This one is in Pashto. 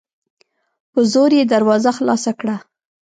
په زور یې دروازه خلاصه کړه